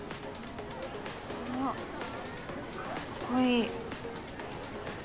あかっこいい。